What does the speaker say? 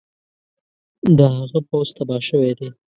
د هغه پوځ تباه شوی دی.